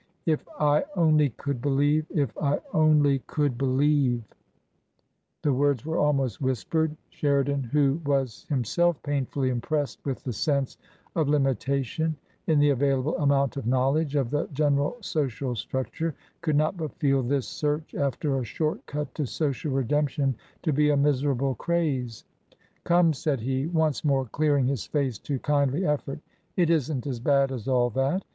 " If I only could believe ! If I only could believe !" The words were almost whispered. Sheridan, who TRANSITION. 247 was himself painfully impressed with the sense of limi tation in the available amount of knowledge of the general social structure, could not but feel this search after a short cut to social redemption to be a miserable craze. "Come!" said he, once more clearing his face to kindly effort, '' it isn't as bad as all that.